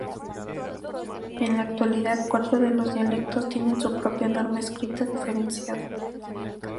En la actualidad cuatro de los dialectos tienen su propia norma escrita diferenciada.